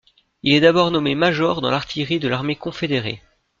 Il est d'abord nommé major dans l'artillerie de l'armée confédérée.